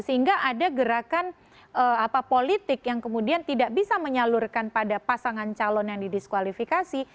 sehingga ada gerakan politik yang kemudian tidak bisa menyalurkan pada pasangan calon yang didiskualifikasi